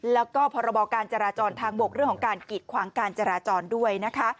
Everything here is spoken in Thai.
แล้วก็พรบการจราจรทางบกเรื่องของการกีดขวางการจราจรด้วยนะคะ